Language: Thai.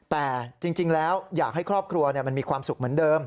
แต่จริงแล้วอยากให้ครอบครัวมันมีความสุขเหมือนเดิม